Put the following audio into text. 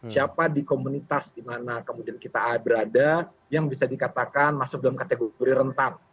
siapa di komunitas dimana kemudian kita berada yang bisa dikatakan masuk dalam kategori rentang